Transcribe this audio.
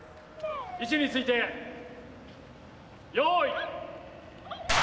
位置について用意。